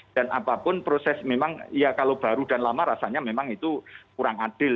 apapun proses memang ya kalau baru dan lama rasanya memang itu kurang adil